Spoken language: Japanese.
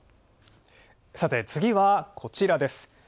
さて、次はこちらです。